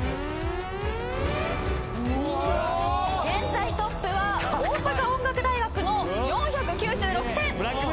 現在トップは大阪音楽大学の４９６点。